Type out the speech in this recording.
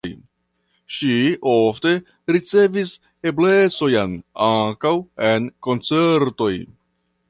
Ŝi ofte ricevis eblecojn ankaŭ en koncertoj.